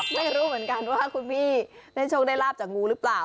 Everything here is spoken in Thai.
ไม่รู้เหมือนกันว่าคุณพี่ได้โชคได้ลาบจากงูหรือเปล่า